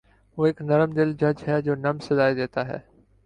وہ ایک نرم دل جج ہے جو نرم سزایئں دیتا `ہے